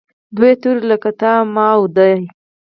دوه توري لکه تا، ما او دی.